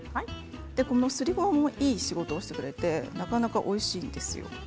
このすりごまもいい仕事をしてくれてなかなかおいしいんですよ。